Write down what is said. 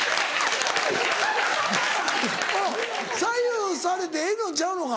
左右されてええのんちゃうのか？